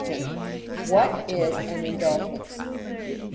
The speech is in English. What is an Indulgence?